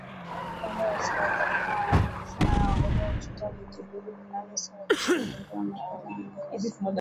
Ngombe wasioathirika wanapogusana na wagonjwa huchota vijidudu vinavyosababisha ugonjwa wa mapele ya ngozi